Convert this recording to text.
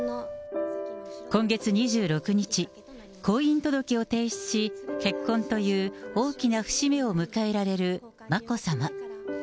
今月２６日、婚姻届を提出し、結婚という大きな節目を迎えられる眞子さま。